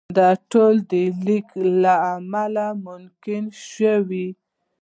دا ټول د لیک له امله ممکن شول.